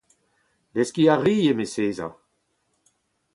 Deskiñ a ri, eme Seza.